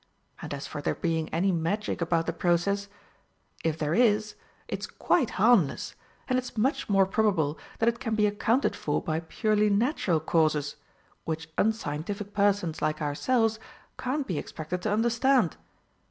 And as for there being any Magic about the process if there is, it's quite harmless, and it's much more probable that it can be accounted for by purely natural causes which unscientific persons like ourselves can't be expected to understand.